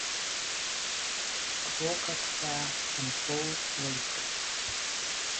Crocker crashed in both races.